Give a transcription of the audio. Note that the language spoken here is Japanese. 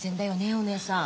お姉さん。